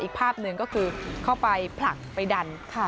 อีกภาพหนึ่งก็คือเข้าไปผลักไปดัน